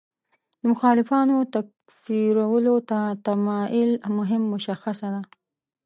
د مخالفانو تکفیرولو ته تمایل مهم مشخصه ده.